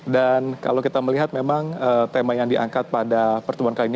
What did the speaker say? dan kalau kita melihat memang tema yang diangkat pada pertemuan kali ini